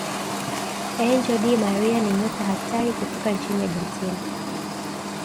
angel Di Maria ni nyota hatari kutoka nchini argentina